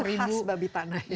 itu khas babi tanah